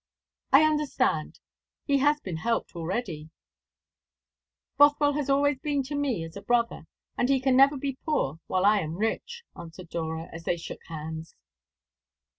"I understand. He has been helped already." "Bothwell has always been to me as a brother and he can never be poor while I am rich," answered Dora, as they shook hands.